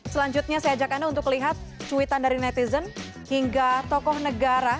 selanjutnya saya ajak anda untuk lihat cuitan dari netizen hingga tokoh negara